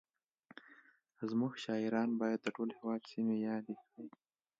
زموږ شاعران باید د ټول هېواد سیمې یادې کړي